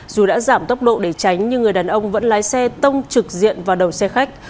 dù đã giảm tốc độ để tránh nhưng người đàn ông vẫn lái xe tông trực diện vào đầu xe khách